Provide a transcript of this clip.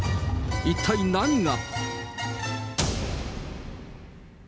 一体何が？